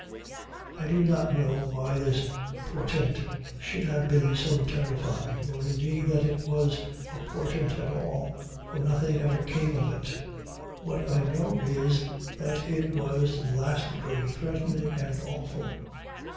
I do not know why this portent should have been so terrifying, or indeed that it was a portent at all, for nothing ever came of it; what I know is that it was to the last degree threatening and awful.